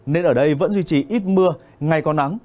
nên ở đây vẫn duy trì ít mưa ngày có nắng